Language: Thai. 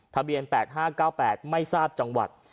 ทะเบียน๘๕๙๘ไม่ทราบจังหวัด